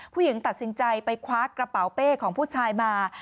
ตัดสินใจไปคว้ากระเป๋าเป้ของผู้ชายมา